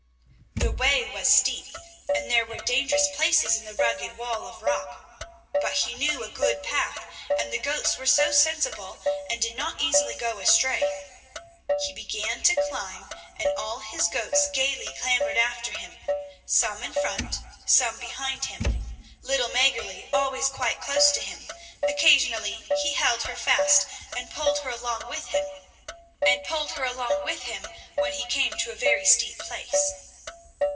The way was steep, and there were dangerous places in the rugged wall of rock; but he knew a good path, and the goats were so sensible and did not easily go astray. He began to climb and all his goats gayly clambered after him, some in front, some behind him, little Mäggerli always quite close to him; occasionally he held her fast and pulled her along with him, when he came to a very steep place.